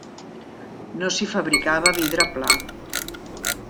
No s'hi fabricava vidre pla.